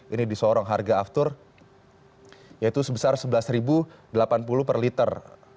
ini di sorong harga aftur yaitu sebesar rp sebelas delapan puluh per liter